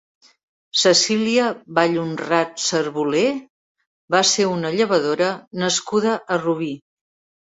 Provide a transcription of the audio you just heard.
Cecília Vallhonrat Servolé va ser una llevadora nascuda a Rubí.